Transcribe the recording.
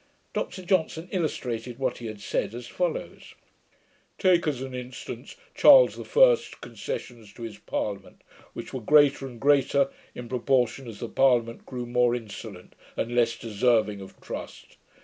Dr Johnson illustrated what he had said, as follows: 'Take, as an instance, Charles the First's concessions to his parliament, which were greater and greater, in proportion as the parliament grew more insolent, and less deserving of trust.